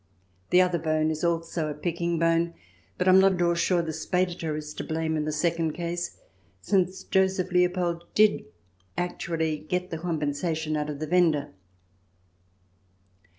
The other bone is also a picking bone, but I am not at all sure the Speditor is to blame in the second case, since Joseph Leopold did actually get the compensation out of the vendor.